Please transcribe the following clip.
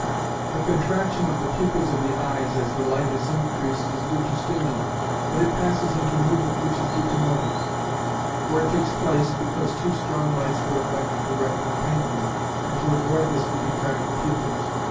The contraction of the pupils of the eyes as the light is increased is due to stimuli, but it passes into movement which is due to motive; for it takes place, because too strong lights would affect the retina painfully, and to avoid this we contract the pupils.